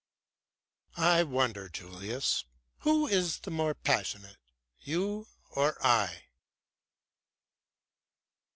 "I wonder, Julius, who is the more passionate, you or I?"